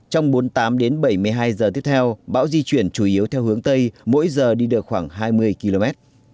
trong bốn mươi tám đến bảy mươi hai giờ tiếp theo bão di chuyển chủ yếu theo hướng tây mỗi giờ đi được khoảng hai mươi km